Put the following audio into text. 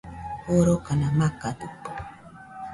Jorokana makadɨkue